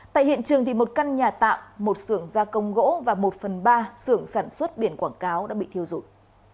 tại hiện trường một căn nhà tạm một xưởng gia công gỗ và một phần ba xưởng sản xuất biển quảng cáo đã bị thiêu dụi